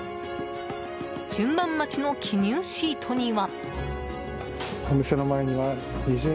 順番待ちの記入シートには。